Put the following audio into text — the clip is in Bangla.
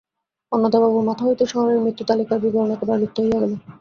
অন্নদাবাবুর মাথা হইতে শহরের মৃত্যুতালিকার বিবরণ একেবারে লুপ্ত হইয়া গেল।